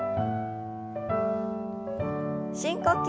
深呼吸。